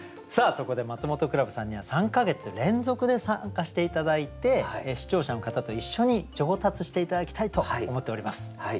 そこでマツモトクラブさんには３か月連続で参加して頂いて視聴者の方と一緒に上達して頂きたいと思っております。